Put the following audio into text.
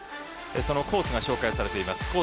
コースが紹介されています。